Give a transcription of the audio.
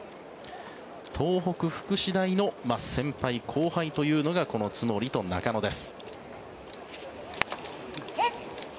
東北福祉大の先輩後輩というのがこの津森と中野です。